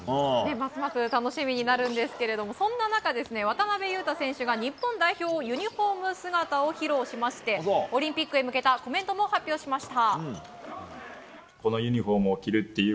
ますます楽しみになるんですけれどもそんな中、渡邊雄太選手が日本代表ユニホーム姿を披露しましてオリンピックへ向けたコメントも発表しました。